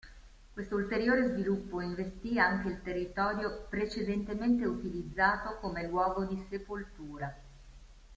Questo ulteriore sviluppo investì anche il territorio precedentemente utilizzato come luogo di sepoltura.